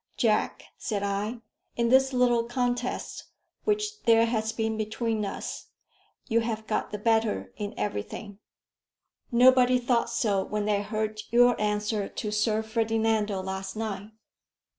"Jack," said I, "in this little contest which there has been between us, you have got the better in everything." "Nobody thought so when they heard your answer to Sir Ferdinando last night."